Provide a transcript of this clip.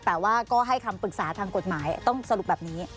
แต่ว่าก็ให้คำปรึกษาทางกฎหมายต้องสรุปแบบนี้